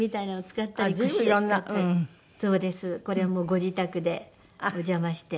これもうご自宅でお邪魔して。